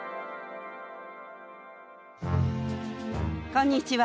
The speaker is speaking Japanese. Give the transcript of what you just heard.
こんにちは！